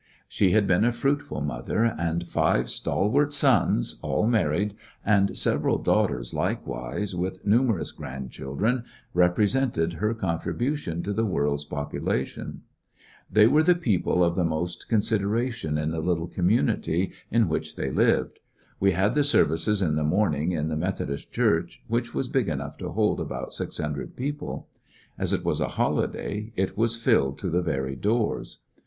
She had been a fruitful mother, and five stalwart sons, all married, and several daughters likewise, with numerous grandchildren, represented her con tribution to the world's population. They 171 ^ecoCCections of a were the people of the most consideration in the little community in which they lived. We had the services in the morning in the Methodist church, which was big enough to hold about six hundred people. As it was a holiday, it was filled to the very doors.